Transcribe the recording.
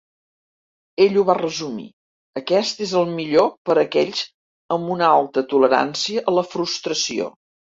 Ell ho va resumir: aquest és el millor per a aquells amb una alta tolerància a la frustració.